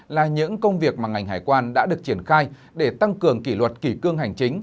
là những công việc mà ngành hải quan đã được triển khai để tăng cường kỷ luật kỷ cương hành chính